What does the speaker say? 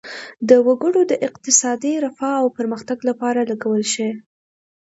د وګړو د اقتصادي رفاه او پرمختګ لپاره لګول شي.